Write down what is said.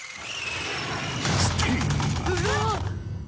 うわっ！